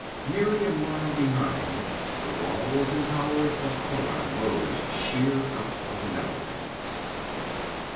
Nearly a mile behind, the walls and towers of Khauran rose sheer out of the meadowlands.